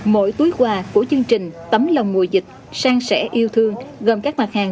mỗi túi quà của chương trình tấm lòng mùa dịch sang sẻ yêu thương gồm các mặt hàng